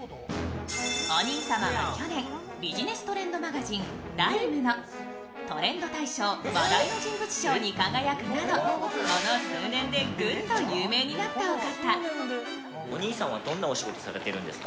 お兄様は去年、ビジネストレンドマガジン「ＤＩＭＥ」のトレンド大賞・話題の人物賞に輝くなどこの数年でぐっと有名になったお方。